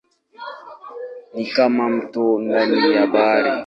Ni kama mto ndani ya bahari.